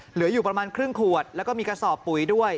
เหลืออยู่ประมาณครึ่งขวดแล้วก็มีกระสอบปุ๋ยด้วย